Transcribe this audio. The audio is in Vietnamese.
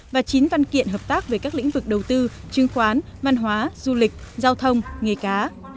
và chín văn kiện hợp tác về các lĩnh vực đầu tư chứng khoán văn hóa du lịch giao thông nghề cá